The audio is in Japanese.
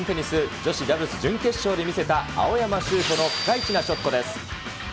女子ダブルス準決勝で見せた、青山修子のピカイチなショットです。